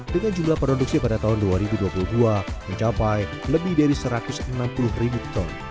dengan jumlah produksi pada tahun dua ribu dua puluh dua mencapai lebih dari satu ratus enam puluh ribu ton